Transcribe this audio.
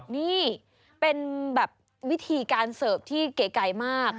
นี่เป็นแบบวิธีการเสิร์ฟที่เก๋มาก